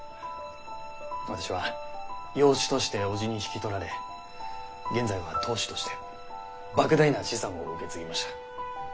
私は養子として伯父に引き取られ現在は当主として莫大な資産を受け継ぎました。